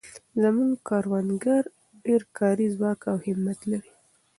زموږ کروندګر ډېر کاري ځواک او همت لري.